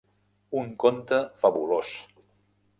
Un conte fabulós.